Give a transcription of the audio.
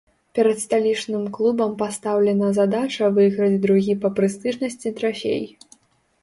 Перад сталічным клубам пастаўлена задача выйграць другі па прэстыжнасці трафей.